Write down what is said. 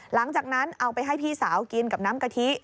หลังจากนั้นเอาไปให้พี่สาวกินกับน้ำกะทิ